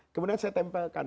kemudian saya tempelkan